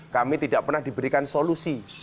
kami tidak pernah diberikan solusi